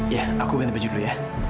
ya aku ganti baju dulu ya